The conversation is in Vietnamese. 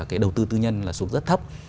cái đầu tư tư nhân là xuống rất thấp